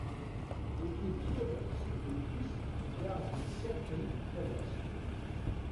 Wakil d iḍ s tebrek-is i aɣ-d-yettakken tabɣest?